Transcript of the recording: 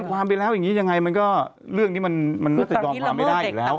ความไปแล้วอย่างนี้ยังไงมันก็เรื่องนี้มันน่าจะยอมความไม่ได้อยู่แล้ว